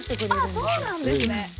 ああそうなんですね！